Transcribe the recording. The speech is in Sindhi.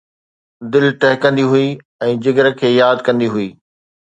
دل ٽهڪندي هئي ۽ جگر کي ياد ڪندي هئي